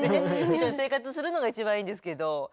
一緒に生活するのが一番いいですけど。